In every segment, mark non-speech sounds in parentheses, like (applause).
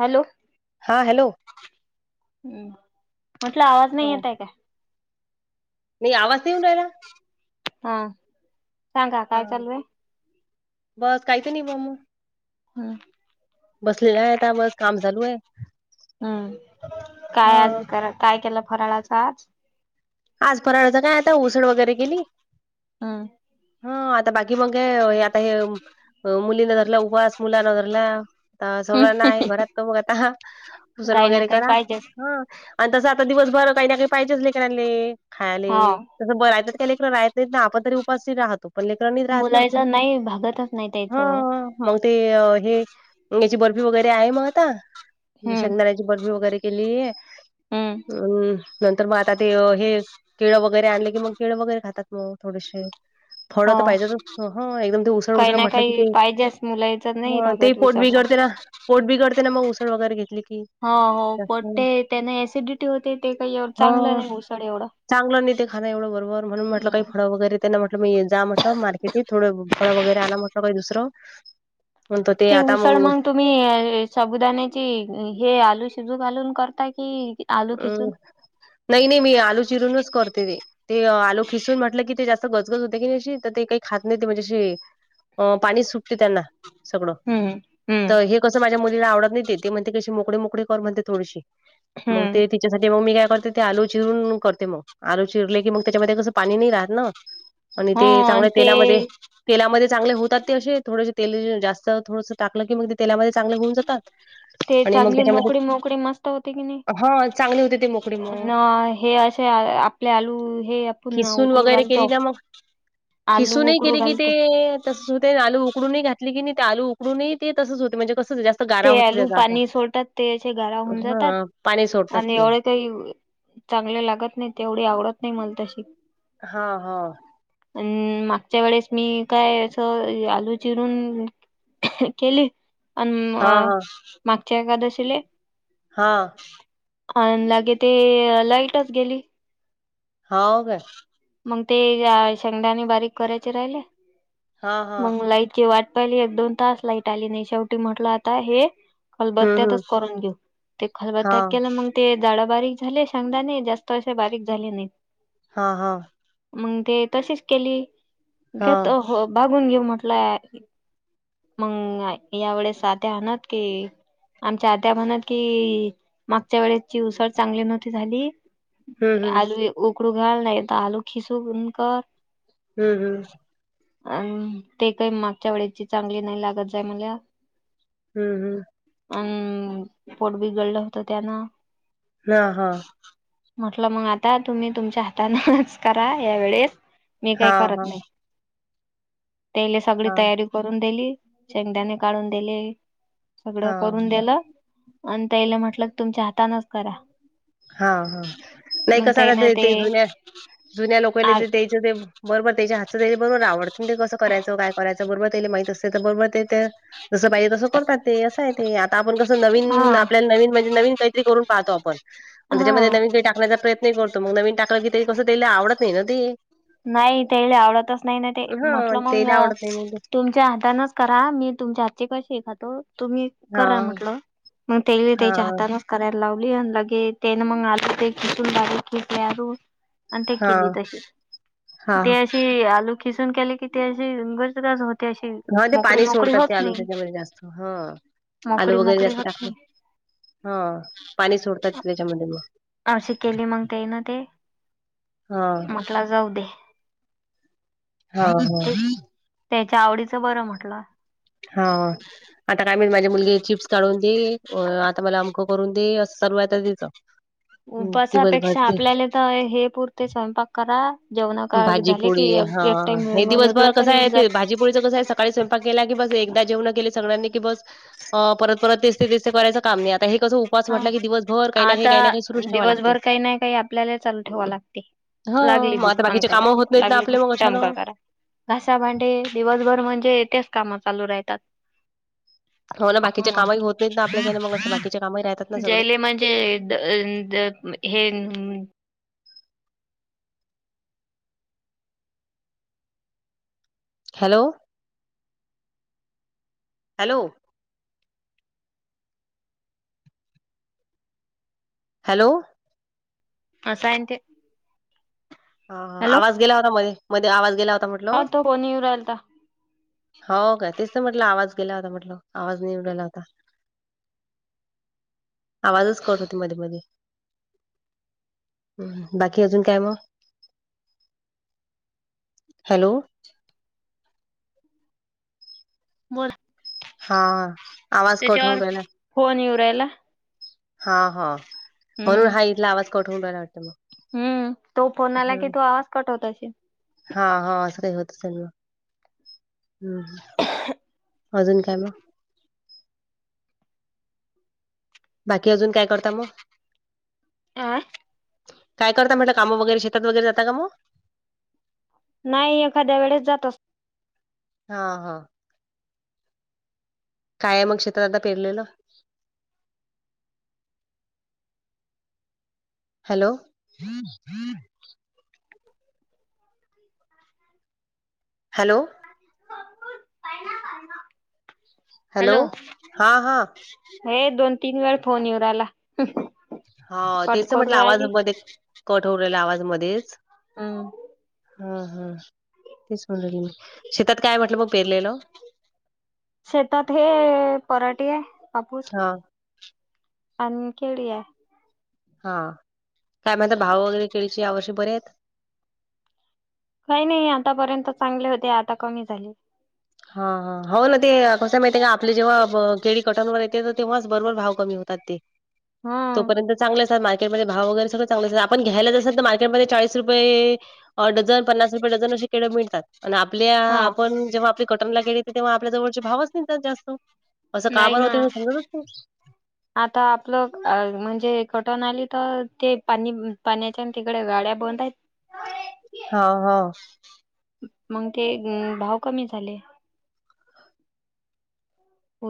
Hello, हा hello हम्म. म्हटलं आवाज नाही येतय काय? नई आवाज तर येऊन राहिला. हा, सांगा हा काय चालू अय? बस काही नई बुवा म. हम. बसलेला आहेता बस काम चालू ये. हम्म काय आज करा काय केलं फराळाच आज? आज फराळाचं काय आता उसळ वगैरे केली. हम् हा आता बाकी मग ये आता हे मुलीन धरला उपवास, मुलान धरला नाय घरात क बगु आता, उसळ काही ना वगैरे काही करा. पाहिजेच हं. आन तसं आता दिवसभर काही ना काही पाहिजेच लेकरानले, खायले. हा (unintelligible) आपण तरी उपाशी राहतो. पण लेकरं नई राहत न बोलायचं नाही भागतच नाही त्याचं हं. मग ते हे याची बर्फी वगैरे आहे म आता हम्म शेंगदाण्याची. बर्फी वगैरे केली, हम्म अम नंतर मग आता ते हे केळ वगैरे आणले की मग, केळ वगैरे खातात मग थोडेसे. फळ हो तर पाहिजे तर, एकदम ते उसळ काही उसळ ना म्हटलं की काही ते, पाहिजेच मुलाच नाही ते भागत पोट उसळला बिघडते ना. पोट बिगडते ना मग उसळ वगैरे घेतली की. हो हो पट ते त्याने ऍसिडिटी होते ते काही ए चांगलं ह नाही ऊसळ एवढ. चांगलं नाहीेते खांन एवढं बरोबर म्हणून म्हटलं काही फळं वगैरे त्यांना म्हटलं मी जा म्हटलं मार्केटी, थोडं फळं वगैरे आना म्हटलं काई दुसरं म्हणतो ते ती आता उसळ मग मंग तू मी शबुदाण्याची हे आलू शिजू घालून करता की आलू अ खिसून नाही नाही मी आलू चिरूनच करते ते. ते आलो खिसून म्हटलं की ते जास्त गजगज होते की तर ते काही खात नाही म्हणजे अशी अ पाणी सुटते त्यांना. सगळं, हम्म हम्म तर हे कसं माझ्या मुलीला आवडत नाही ते ते म्हणते कशी मोकळी मोकळी कर म्हणते थोडीशी मग हम्म ते तिच्यासाठी मग मी काय करते ते आलू चिरून करते मग. आलू चिरले की मग त्याच्यामध्ये कसं पाणी नाही राहत ना, आणि हो ते आणि चांगल्या ते तेलामध्ये तेलामध्ये चांगले होतात ते असे, थोडेसे तेल जास्त थोडस टाकलं की मग ते तेलामध्ये चांगले होऊन जातात आणि मग त्याच्यामध्ये उकळी मस होते कीनी, हा चांगले होते ते मोकळे मग. हे असे आपले आलू हे आपण खिसून उकडू वगैरे केली घालतो ना मग, आलू खिसूनही उकडू केली कि ते घालतो तसंच होते, आलू उकडूनही घातली की नी ते आलू उकडूनही ते तसंच होते, म्हणजे कसं जास्. ते आलू पाणी सोडतात ते असे गरा हुन जातात. हा पाणी सोडतात आणि ते. एवढे काही चांगले लागत नाही, तेवढी आवडत नाही मला तशी. हां हां. अन मागच्या वेळेस मी काय असं आलू चिरून केले अन म हा हा मागच्या एकादशीले हा. आन लगे ते लाईटच गेली. हाव का. मंग ते या शेंगदाने बारीक करायचे राहिले हा हा मंग लाईटची वाट पाहिली एक दोन तास लाईट आली नाही शेवटी म्हटलं आता हे हम्म हम्म खलबत्त्यातच करून घेऊ ते हा खलबत्यात केलं मंग ते जाडा बारीक झाले शेंगदाणे जास्त अशे बारीक झाले नाय. हा हा. मंग ते तशीच केली हा घेतं हो भागून घेऊ म्हटलं. मंग या वेळेस सात्या आणत की आमच्या आत्या म्हणत की मागच्या वेळेची उसळ चांगली नव्हती झाली हम्म हम्म आलू उकडू घाल नाही तर आलू खिसून कर हम्म हम्म. अं ते काही मागच्या वेळेची चांगली नाही लागत जाय मला. हम्म हम्म. अन पोट बिघडलं होतं त्यानं. हा हा. म्हटलं मग आता तुम्ही तुमच्या हातानेच करा या वेळेस. मी काय हा हा करत नाय. तेले सगळी हा तयारी करून दिली शेंगदाणे काढून दिले सगळं हा करून दिलं आणि त्यायलं म्हटलं तुमच्या हातानच करा. हा हा नाही कसं का ते ते जुन्या जुन्या लोकल आहे आ ते त्याचे ते बरोबर त्याच्या हातचा त्याले बरोबर आवडतं ना ते कसं करायचं काय करायचं बरोबर त्याले माहीत असतं तर बरोबर ते त्या जसं पाहिजे तसं करतात. ते असं आहे ते आता आपण कसं हा नवीन आपल्याला नवीन म्हणजे नवीन काहीतरी करून पाहतो आपण. म हा त्याच्यामध्ये नवीन काही टाकण्याचा प्रयत्न ही करतो मग नवीन टाकलं की तरी कसं त्यायले आवडत नाही आहे ना ती. नाही तेयले आवडतच नाही ते हां, म्हटलं मंग तेल आवडत नाही मग ते. तुमच्या हातानच करा मी तुमच्या हातची कशीही खातो तुम्ही करा हां, म्हटलं मंग त्याले त्यांच्या हां, हातानच करायला लावली आन लगे त्याने मंग (unintelligible) किसून बारीक खिसल्या. (unintelligible) आणि ते केली हां, तशीच ते हां, अशी आलू खिसून केले की ते अशी (unintelligible) होत अशी हा ते मोकळी पाणी मोकळी सोडतात ते आलू नाही त्याच्यामध्ये जास्त हा. मोकळी आलू वगैरे मोकळी जास्त होत टाकले नाही हा पाणी सोडतात त्याच्यामध्ये म. अशी केली मंग त्यायने ते. हा. म्हटलं जाऊ दे हा हा. ते त्याच्या आवडीचं बरं म्हटलं. हा आता काय माहीत माझी मुलगी चिप्स काढून दे अ आता मला आमको करून दे असं चालू हाय आता तिचं. हं, दिवसभर उपासापेक्षा ते आपल्याला तर हे पुरते स्वयंपाक करा. जेवणा का भाजी झाले की पोळी एक हा एक टाइम हे वेगळं दिवसभर तरी कसं आहे होऊन ते जात भाजी पोळीचा कसं आहे ते स काळी स्वयंपाक केला की बस एकदा जेवणं केली सगळ्यांनी की बस अ परत परत तेच ते तेच ते करायचं काम नाही आता हे कसं उ उपवास हा, म्हटलं की दिवसभर काय ना काय काय ना आता काय सुरू ठेवावेच लागते. दिवसभर काही नाही काही आपल्याला चालू ठेवा लागते ह लागली मग भूक आता अमका काम होत करा नाहीत ना लागली आपले भूक मग टमका (unintelligible) करा घासा भांडे दिवसभर म्हणजे तेच काम चालू राहतात. हो. का राहात. (unintelligible) हे. (unintelligible) हॅलो. हॅलो. हॅलो. आता येतंय. हा आवाज गेला होता मध्ये मध्ये आवाज गेला होता म्ह- आता फोन येऊन राहीलता. हो का तेच तर म्हटलं आवाज गेला होता म्हटल आवाज येऊन गेला होता. आवाजच कट होती मध्ये मध्ये. बाकी आजुन काय मग? हॅलो. बोला. हा आवाज कट होऊ राहिला. फोन येऊ राहिला. हा हा म्हणून हम्म हा इथला आवाज कठवून रहायला वाटतं मग. हम तो फोन आला की तो आवाज कट होत आसेल. हा हा अस काय होत सगळ हम्. आजून काय मग? बाकी अजून काय करता मग. आं काय करता म्हटलं काम वगैरे शेतात वगैरे जात का मग. नाही एखाद्या वेळेस जात असत. हा हा. काय मग शेतात आता पेरलेलं. हॅलो. हॅलो. हॅलो. हा हा हे दोन तीन वेळ फोन येऊ राहला. हा तेच तर म्हटलं आवाज मध्ये कट होऊ राहिला आवाजमध्येच हम. हा हा तेच म्हणले की शेतात काय म्हटलं मग पेरलेलं. शेतात हे पराटे कापूस. हा अान केल्या. हा काय म्हणता भाव वगैरे केळीचे या वर्षे बरे आहेत. नाही नाही आतापर्यंत चांगले होते आता कमी झाले. हा हा हो ना ते कसं माहिती आहे का आपले जेव्हा केळी कटांवर येते तेव्हाच बरोबर भाव कमी होतात ते. हा तोपर्यंत चांगले असात मार्केटमध्ये भाव वगैर सगळ चांगलं असात. आणि घ्यायला जस तर मार्केटमध्ये चाळीस रुपये डझन पन्नास रुपये डझन असे केडे मिळतात. आणि आपल्या हा आपण जेव्हा आपली कटनला गेली तेव्हा आपल्या जवळचे भावच न्हाय जास्त असं का नाही बरं ना. होते हे समजतच नाही आता आपलं म्हणजे कटण आली तर ते पाणी पाण्याच्या तिकडे गाड्या बंद आहेत. हा हा. मग ते भाव कमी झाले.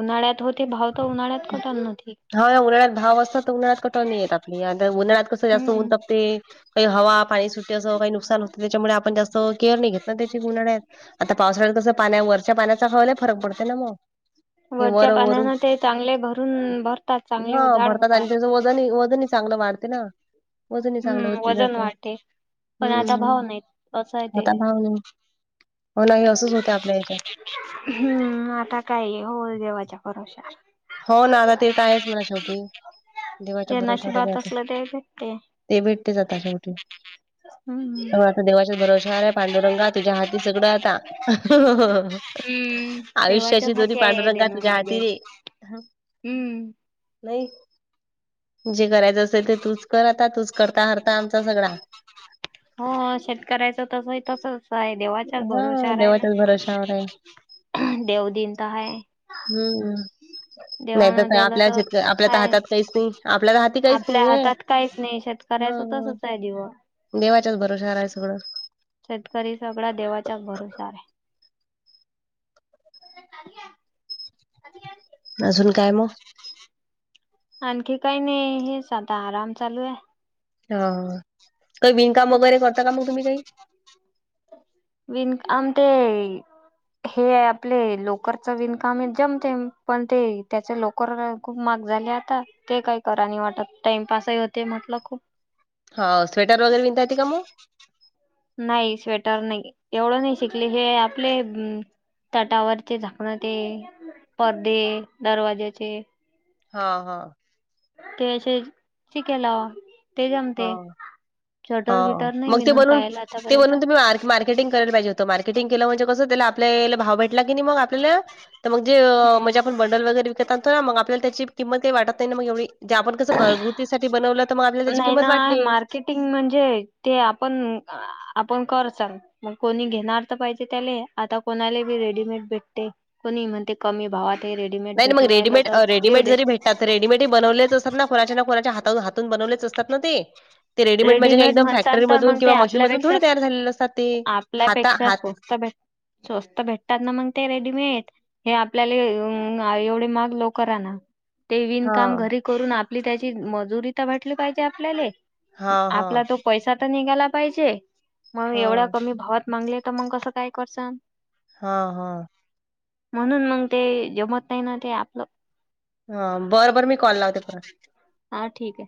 उन्हाळ्यात होते भाव तर उन्हाळ्यात कटल नव्हती. हा उन्हाळ्यात भाव असतात. तर उन्हाळ्या कटुल नाही येत आपण उन्हाळात कसं जास्त ऊन हम्म तापते. काही हवा पाणी सुटे असं काही नुकसान होतं त्याच्यामुळे आपण जास्त केअर नाही घेत ना त्याची उन्हाळ्यात. आता पावसाळ्यात कसं पाण्या वरच्या पाण्याचा खावायला फरक पडते ना मग. हे वरच्या वर वरून पाण्यानं ते चांगले भरून भरतात चांगले हा जाड भरतात होतात. त्याचं आणि वजनही चांगलं वाढते ना वजन चांगलं हम्म होते नाही वजन त्याच. वाढते पण आता हम्म भाव नाहीत. असं आहे ते आता हो ना हे असंच होतं आपल्या ह्याच्यात. आता काय ओ देवाच्या भरश्यावर. हो ना ते तर आहेस मना शेवटी देवाच्या जे भरोशावर. नशिबात (unintelligible) असलं ते भेटते. ते भेट तेच आता शेवटी. हम् हम. देवाच्यात भरोश आहे पांडुरंगा तुझ्या हाती सगळं आता. हम्म देवाच्या आयुष्याची दो्री हाती आहे पांडुरंगा देणं तुझ्या नाही हाती देणं. रे. ह, हम्म. नाही जे करायचं असेल ते तूच कर आता तूच कर्ता हर्ता आमचा सगळा. हो शेतकऱ्याचं तसं आहे तसंच. होय देवाच्या हा भरोशावर आहे देवाच्याच भरोशावर आहे ना देव दिन तर हाय. हम्मम् नाही देवानं तर दिलं आपल्या शेतक- आपल्या तर हाय हातात काहीच नाही आपल्याला हाती काहीच नाही आहे. करायच तसंच आहे दिवस. देवाच्याच भरोशावर आहे सगळं. शेतकरी सगळा देवाच्याच भरोशावर आहे. (unintelligible) अजून काय? मग आणखी काही नाही हेच आता आराम चालू आहे. हा काही विणकाम वगैरे करता का? मग तुम्ही काही. विणकाम -आम ते. हे आपले लोकर चं विणकामे जमते पण ते त्याचे लो- लोकर खूप महाग झालय आता ते काय कराय नाही वाटत टाइमपास ही होतंय म्हंटलं खूप. हो स्वेटर वगैरे विनता येत का? मग. नाही स्वेटर नाही एवढं नाही शिकले हे आपले- तटावरचे झाकण ते परदे दरवाज्याचे. हो हो. के- से- ठीक आहे लावा ते जमते हा, चटर हा. गिटार नाही मग ते विनून बनवून पायला ते आतापर्यंत. बनवून तुम्ही मार्क मार्केटिंग करायला पाहिजे होतं मार्केटिंग केलं म्हणजे कसं त्याला आपल्याला भाव भेटला की मग आपल्याला तर मग जे हम्म. म्हणजे बंडल वगैरे विकत आणतो ना मग त्याची किंमत काही वाटत नाही ना मग एवढी जे आपण- त-घरगुती साठी बनवलं तर आपल्याला त्याची किंमत नाही वाटते. मार्केटिंग म्हणजे ते आपण आपण कर चान. मग कोणी घेणार तर पाहिजे त्याले आता कोणाला बी रेडीमेड भेटते. कोणी म्हणते कमी भावात हे रेडीमेड नाही ना मग भेटू राहिला रेडीमेड अ, तर घेऊ रेडीमेड दे. जरी भेटतात, रेडीमेडही बनवलेच असतात. ना कुणाच्या ना कोणाच्या हातन हातून बनवलेच असतात. ना ते ते रेडीमेड म्हणजे का एकदम म्हणसान फॅक्टरी तर मधून मग ते किंवा मशीन मधून आपल्यापेक्षा थोडे तयार झालेले असतात. ते हाता- आपल्यापेक्षा हात स्वस्त भेट स्वस्त भेटतात ना मंग ते रेडीमेट. हे आपल्याले एवढे माग लोकर आना ते विणकाम हां. घरी करून आपली त्याची मजुरी तर भेटली पाहिजे आपल्याले. हां, हां. आपला तो पैसा तर निघाला पाहिजे, मग हां, एवढ्या कमी भावात मांगले तर मग कसं काय करचान? हां हां. म्हणून मंग् ते जमत नाही ना ते आपलं. ह बरं बरं मी कॉल लावते परत. हा ठीक ये.